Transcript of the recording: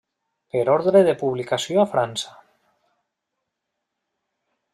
Per ordre de publicació a França.